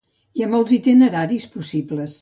Hi ha molts itineraris possibles.